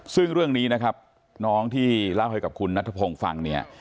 ซึ่งเรื่องนี้นะครับน้องที่เล่าให้กับคุณนัทพงศ์ฟังเนี่ย